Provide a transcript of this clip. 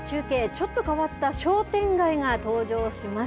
ちょっと変わった商店街が登場します。